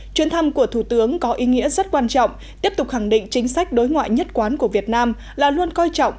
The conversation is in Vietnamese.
chuyến thăm của thủ tướng có ý nghĩa rất quan trọng tiếp tục khẳng định chính sách đối ngoại nhất quán của việt nam là luôn coi trọng